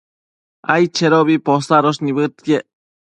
aidchedobi posadosh nibëdquiec